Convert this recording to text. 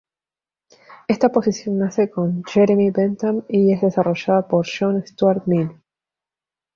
Esta posición nace con Jeremy Bentham y es desarrollada por John Stuart Mill.